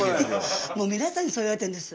もう皆さんにそう言われてんです。